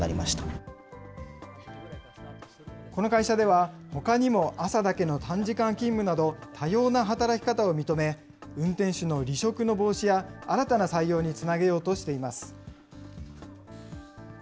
この会社では、ほかにも朝だけの短時間勤務など、多様な働き方を認め、運転手の離職の防止や、新たな採用につなげようとしています。